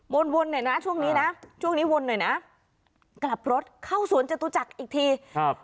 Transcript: วนวนหน่อยนะช่วงนี้นะช่วงนี้วนหน่อยนะกลับรถเข้าสวนจตุจักรอีกทีครับ